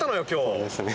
そうですね。